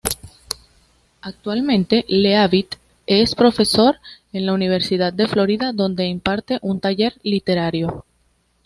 Actualmente Leavitt es profesor en la Universidad de Florida, donde imparte un taller literario.